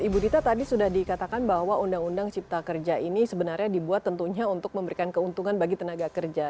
ibu dita tadi sudah dikatakan bahwa undang undang cipta kerja ini sebenarnya dibuat tentunya untuk memberikan keuntungan bagi tenaga kerja